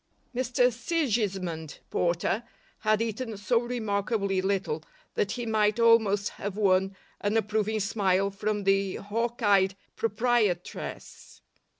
Mr Sigismund Porter had eaten so remarkably little that he might almost have won an approving smile from the hawk eyed proprietress.